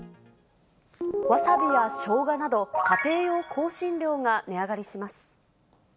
わさびやしょうがなど、家庭用香辛料が値上がりします。